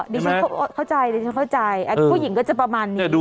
อ๋อดิฉันเข้าใจพวกหญิงก็จะประมาณนี้